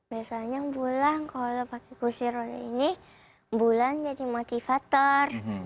biasanya bulan kalau pakai kursi roda ini bulan jadi motivator